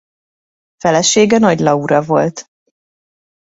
Felesége Nagy Laura volt.